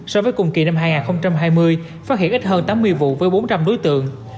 so với cùng kỳ năm hai nghìn hai mươi phát hiện ít hơn tám mươi vụ với bốn trăm linh đối tượng